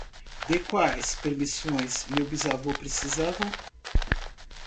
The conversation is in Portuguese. De quais permissões meu bisavô precisa?